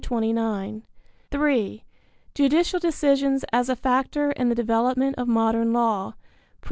(3) Judicial Decisions as a Factor in the Development of Modern Law. _Prin.